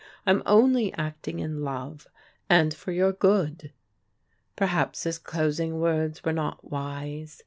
I'm only acting in love, and for your good." Perhaps his closing words were not wise.